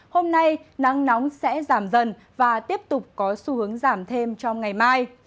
hôm nay nắng nóng sẽ giảm dần và tiếp tục có xu hướng giảm thêm trong ngày mai